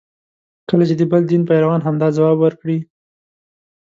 کله چې د بل دین پیروان همدا ځواب ورکړي.